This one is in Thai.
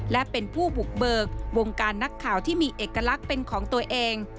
และเป็นผู้บุกเบิกวงการนักข่าวที่มีเอกลักษณ์เป็นของตัวเอง